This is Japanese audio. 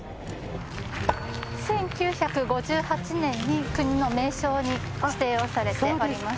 １９５８年に国の名勝に指定をされております。